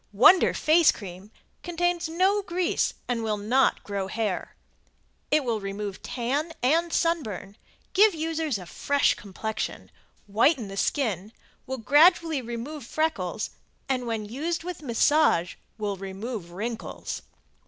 Wonder Face Cream contains no grease and will not grow hair. It will remove tan and sunburn, give the user a fresh complexion, whiten the skin, will gradually remove freckles and when used with massage will remove wrinkles.